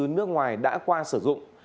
cơ sở thu nước ngoài đã qua sử dụng